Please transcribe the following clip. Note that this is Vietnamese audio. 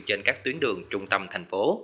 trên các tuyến đường trung tâm thành phố